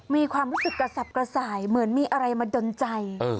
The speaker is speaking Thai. มีความรู้สึกกระสับกระส่ายเหมือนมีอะไรมาดนใจ